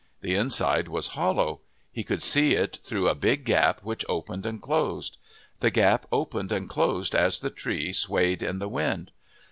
The inside was hollow. He could see it through a big gap which opened and closed. The gap opened and closed as the tree swayed in the wind.